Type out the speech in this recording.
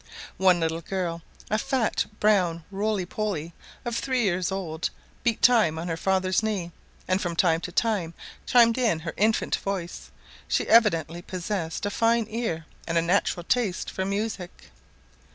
One little girl, a fat brown roly poly, of three years old, beat time on her father's knee, and from time to time chimed in her infant voice; she evidently possessed a fine ear and natural taste for music.